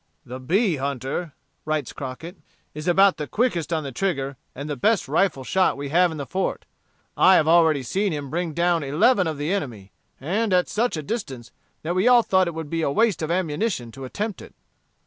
"The bee hunter," writes Crockett, "is about the quickest on the trigger, and the best rifle shot we have in the fort. I have already seen him bring down eleven of the enemy, and at such a distance that we all thought that it would be a waste of ammunition to attempt it."